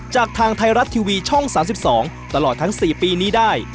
ทางไทยรัฐทีวีช่อง๓๒ตลอดทั้ง๔ปีนี้ได้